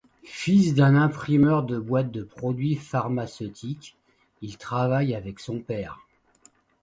Fils d'un imprimeur de boîtes de produits pharmaceutiques, il travaille avec son père.